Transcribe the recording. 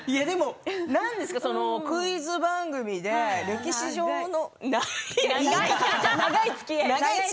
何ですか、クイズ番組で歴史上の。